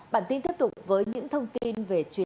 bản tin tiếp tục với những thông tin